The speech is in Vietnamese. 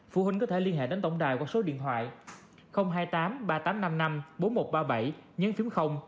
phụ huynh có thể liên hệ đến tổng đài qua số điện thoại hai mươi tám ba nghìn tám trăm năm mươi năm bốn nghìn một trăm ba mươi bảy nhấn phí